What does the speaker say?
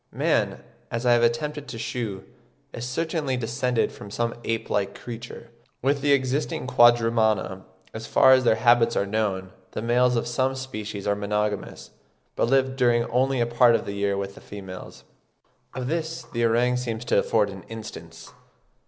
Man, as I have attempted to shew, is certainly descended from some ape like creature. With the existing Quadrumana, as far as their habits are known, the males of some species are monogamous, but live during only a part of the year with the females: of this the orang seems to afford an instance.